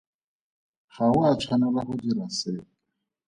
Ga o a tshwanela go dira sepe.